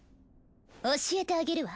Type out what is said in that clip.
教えてあげるわ。